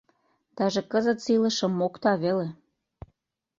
Даже кызытсе илышым мокта веле.